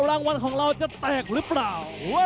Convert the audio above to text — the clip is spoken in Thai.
รางวัลของเราจะแตกหรือเปล่า